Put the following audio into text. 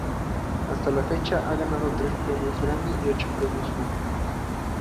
Hasta la fecha, ha ganado tres premios Grammy y ocho premios Juno.